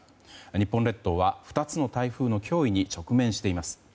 日本列島は２つの台風の脅威に直面しています。